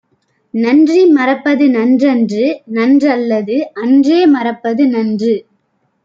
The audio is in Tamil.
நன்றி மறப்பது நன்றன்று; நன்றல்லது அன்றே மறப்பது நன்று.